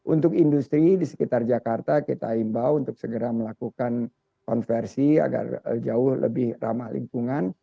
untuk industri di sekitar jakarta kita imbau untuk segera melakukan konversi agar jauh lebih ramah lingkungan